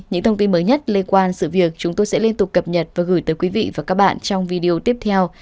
những thông tin mới nhất liên quan sự việc chúng tôi sẽ liên tục cập nhật và gửi tới quý vị và các bạn trong video tiếp theo